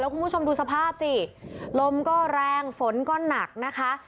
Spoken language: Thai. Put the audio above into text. คุณผู้ชมดูสภาพสิลมก็แรงฝนก็หนักนะคะ